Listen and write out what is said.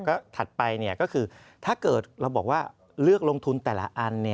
ก็ถัดไปก็คือถ้าเกิดเราบอกว่าเลือกลงทุนแต่ละอัน